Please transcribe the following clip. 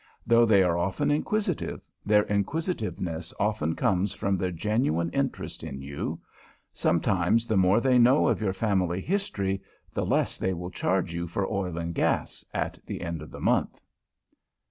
Though they are often inquisitive, their inquisitiveness often comes from their genuine interest in you. Sometimes, the more they know of your family history, the less they will charge you for oil and gas, at the end of the month.